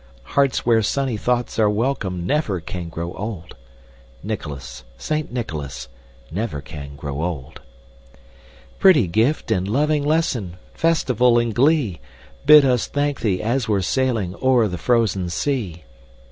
Hearts where sunny thoughts are welcome, Never can grow old. Nicholas! Saint Nicholas! Never can grow old! Pretty gift and loving lesson, Festival and glee, Bid us thank thee as we're sailing O'er the frozen sea.